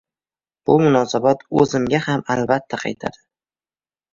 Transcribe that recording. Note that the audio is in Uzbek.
Bu munosabat oʻzimizga ham albatta qaytadi”.